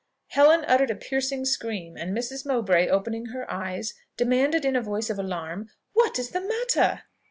Helen uttered a piercing scream; and Mrs. Mowbray, opening her eyes, demanded, in a voice of alarm, "What is the matter?"